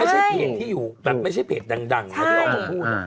ไม่ใช่เพจที่อยู่แบบไม่ใช่เพจดังนะที่ออกมาพูด